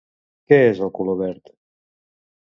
Què és de color verd?